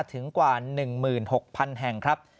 ถึงกว่า๑๖๐๐๐แห่งครับ